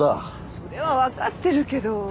それはわかってるけど。